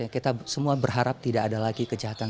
kita semua berharap tidak ada lagi kejahatan